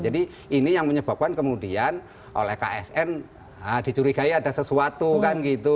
jadi ini yang menyebabkan kemudian oleh ksn dicurigai ada sesuatu kan gitu